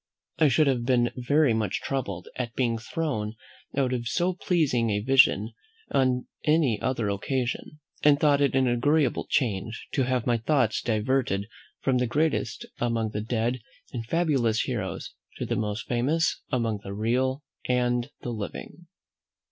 I should have been very much troubled at being thrown out of so pleasing a vision on any other occasion; but thought it an agreeable change, to have my thoughts diverted from the greatest among the dead and fabulous heroes to the most famous among the real and the living.